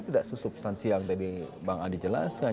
tidak sesubstansi yang tadi bang adi jelaskan